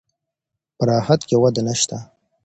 په راحت کې وده نشته.